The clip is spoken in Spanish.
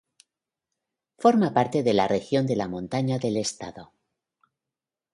Forma parte de la región de la Montaña del estado.